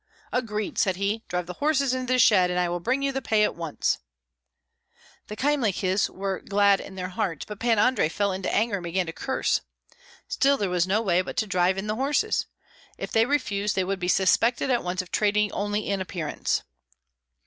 "Agreed!" said he. "Drive the horses into the shed, and I will bring you the pay at once." The Kyemliches were glad in their hearts, but Pan Andrei fell into anger and began to curse. Still there was no way but to drive in the horses. If they refused, they would be suspected at once of trading only in appearance.